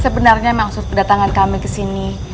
sebenarnya maksud kedatangan kami ke sini